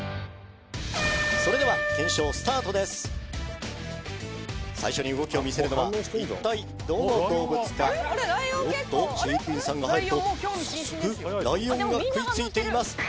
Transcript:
それでは最初に動きを見せるのは一体どの動物かおっと飼育員さんが入ると早速ライオンが食いついています